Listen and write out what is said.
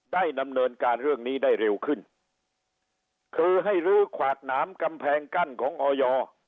ได้ดำเนินการเรื่องนี้ได้เร็วขึ้นคือให้ลื้อขวากหนามกำแพงกั้นของออย